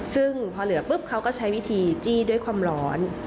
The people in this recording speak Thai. ซึ่งพอเหลือปุ๊บเขาก็ใช้วิธีจี้ด้วยความร้อน